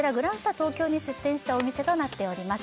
東京に出店したお店となっております